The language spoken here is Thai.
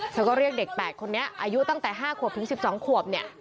ก็เรียกเด็ก๘คนนี้อายุตั้งแต่๕ขวบถึง๑๒ขวบเนี่ย